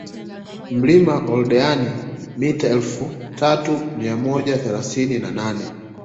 Mlima Oldeani mita elfu tatu mia moja themanini na nane